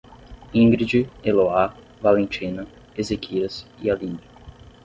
Ingrid, Eloá, Valentina, Ezequias e Aline